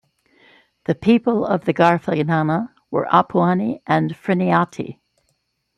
The people of the Garfagnana were Apuani and Friniati.